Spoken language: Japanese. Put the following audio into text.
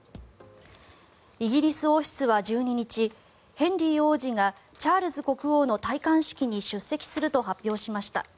イギリス王室は１２日ヘンリー王子がチャールズ国王の戴冠式に出席すると発表しました。